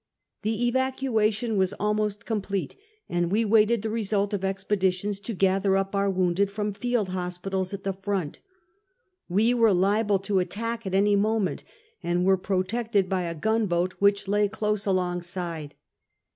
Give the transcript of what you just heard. The evacuation was almost complete, and we waited the result of ex peditions to gather up our wounded from field hospi tals at the front. We were liable to attack at any moment, and were protected by a gunboat which lay close along side.